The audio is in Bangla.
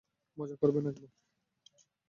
মজা করবে না একদম।